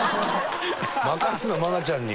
任すな愛菜ちゃんに。